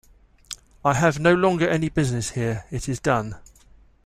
I have no longer any business here; it is done.